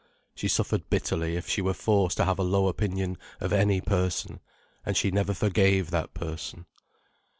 She suffered bitterly if she were forced to have a low opinion of any person, and she never forgave that person.